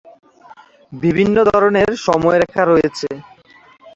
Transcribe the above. বিভিন্ন ধরনের সময়রেখা রয়েছে।